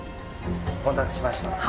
お待たせしました。